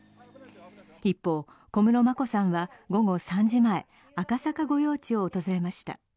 一方、小室眞子さんは午後３時前、赤坂御用地を訪れました。